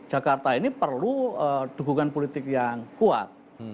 jakarta ini perlu dukungan politik yang kuat